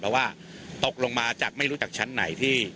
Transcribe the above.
เพราะว่าตกลงมาจากไม่รู้ชั้นไหน